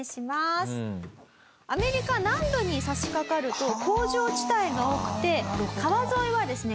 アメリカ南部に差しかかると工場地帯が多くて川沿いはですね